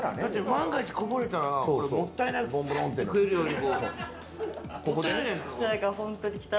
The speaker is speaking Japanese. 万が一こぼれたらもったいないから、食えるように。